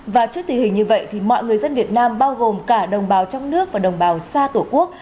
và trước tình hình như vậy thì mọi người dân việt nam bao gồm cả đồng bào trong nước và đồng bào xa tổ quốc